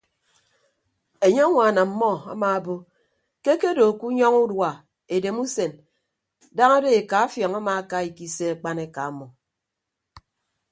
Enye ñwaan ọmmọ amaabo ke akedo ke unyọñọ udua edem usen daña do eka afiọñ amaaka ikise akpaneka ọmọ.